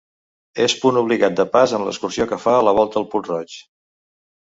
És punt obligat de pas en l'excursió que fa la volta al Puig Roig.